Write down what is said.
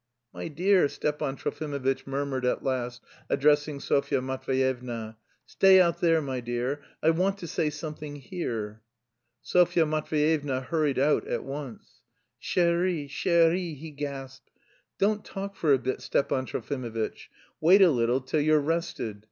"My dear," Stepan Trofimovitch murmured at last, addressing Sofya Matveyevna, "stay out there, my dear, I want to say something here...." Sofya Matveyevna hurried out at once. "Chérie... chérie..." he gasped. "Don't talk for a bit, Stepan Trofimovitch, wait a little till you've rested.